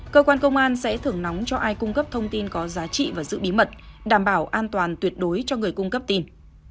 cơ quan công an sẽ thưởng nóng cho ai cung cấp thông tin có giá trị và giữ bí mật đảm bảo an toàn tuyệt đối cho người cung cấp tin